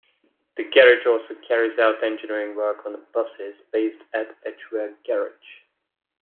The garage also carries out engineering work on buses based at Edgware garage.